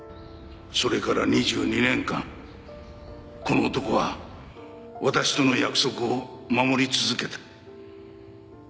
それから２２年間この男は私との約束を守り続けた。